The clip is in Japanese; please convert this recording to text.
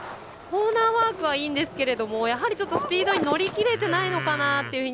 コーナーワークはいいんですけれどもスピードに乗り切れてないのかなと。